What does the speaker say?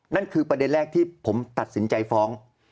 นั่นคือประเด็นแรกที่ผมตัดสินใจฟ้อง